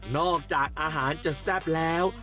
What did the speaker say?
จากอาหารจะแซ่บแล้ว